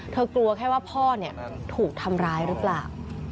กลัวแค่ว่าพ่อถูกทำร้ายหรือเปล่า